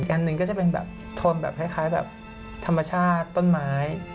อันหนึ่งก็จะเป็นแบบโทนแบบคล้ายแบบธรรมชาติต้นไม้